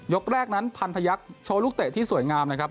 กแรกนั้นพันพยักษ์โชว์ลูกเตะที่สวยงามนะครับ